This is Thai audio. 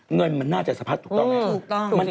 เงินมันน่าจะสะพัดเดี๋ยวก็ไม่สะพัด